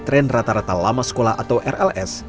tren rata rata lama sekolah atau rls